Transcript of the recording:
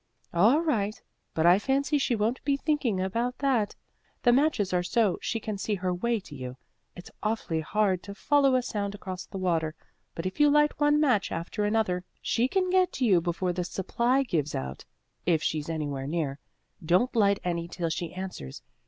"All right, but I fancy she won't be thinking about that. The matches are so she can see her way to you. It's awfully hard to follow a sound across the water, but if you light one match after another she can get to you before the supply gives out, if she's anywhere near. Don't light any till she answers.